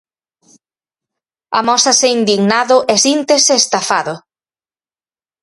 Amósase indignado e síntese estafado.